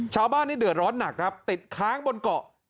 ชาวบ้านนี่เดือดร้อนหนักครับติดค้างบนเกาะ